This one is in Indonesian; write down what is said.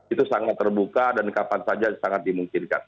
itu sangat terbuka dan kapan saja sangat dimungkinkan